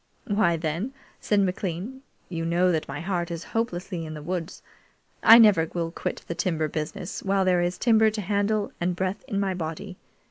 "Why, then," said McLean, "you know that my heart is hopelessly in the woods. I never will quit the timber business while there is timber to handle and breath in my body.